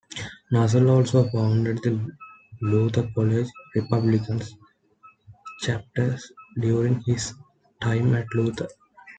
Nussle also founded the Luther College Republicans chapter during his time at Luther.